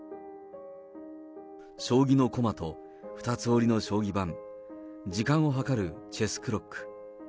将棋の駒と二つ折りの将棋盤、時間を計るチェスクロック。